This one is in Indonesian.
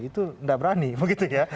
itu tidak berani begitu ya